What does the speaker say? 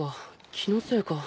気のせいか。